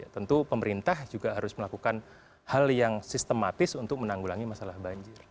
tentu pemerintah juga harus melakukan hal yang sistematis untuk menanggulangi masalah banjir